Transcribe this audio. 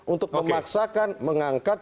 untuk memaksakan mengangkat